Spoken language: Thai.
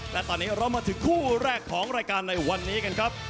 และตอนนี้เรามาถึงคู่แรกของรายการในวันนี้กันครับ